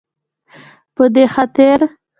په دې خاطر